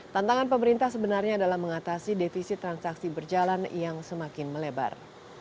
tantangan pemerintah sebenarnya adalah mengatasi defisit transaksi berjalan yang semakin melebar